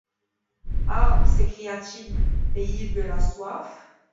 Ah ! s’écria-t-il ! pays de la soif !